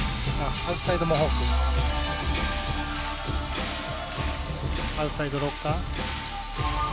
アウトサイドロッカー。